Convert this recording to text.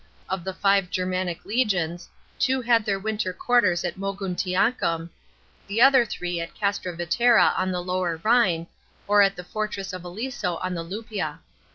Of the five Germanic legions, two had their winter quarters at Mognntiacum, the other three at C.istra Vetira on "he Lower Rhine, or at the fortress of Aliso on the Lupp'a.